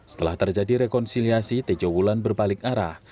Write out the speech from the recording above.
setelah terjadi rekonsiliasi tejo wulan berbalik arah